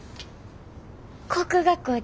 航空学校で。